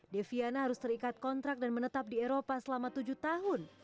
deviana harus terikat kontrak dan menetap di eropa selama tujuh tahun